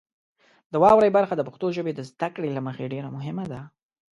د واورئ برخه د پښتو ژبې د زده کړې له مخې ډیره مهمه ده.